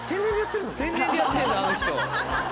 天然でやってんだあの人。